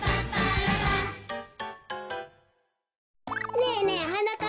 ねえねえはなかっ